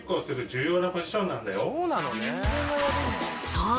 そう！